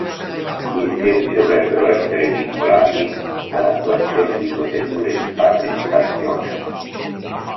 Gli stessi dovrebbero essere vincolati all'attuazione di procedure di partecipazione.